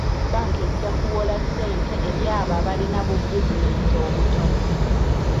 Bbanka ejja kuwola ssente eri abo abalina bu bizinesi obutono.